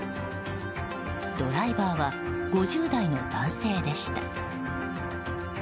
ドライバーは５０代の男性でした。